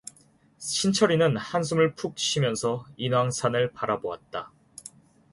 신철이는 한숨을 푹 쉬면서 인왕산을 바라보았다.